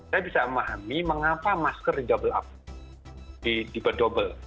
saya bisa memahami mengapa masker di double up double